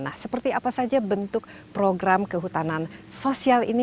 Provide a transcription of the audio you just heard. nah seperti apa saja bentuk program kehutanan sosial ini